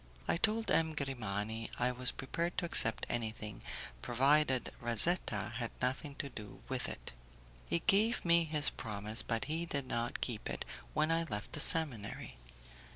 I told M. Grimani I was prepared to accept anything, provided Razetta had nothing to do with it. He gave me his promise, but he did not keep it when I left the seminary.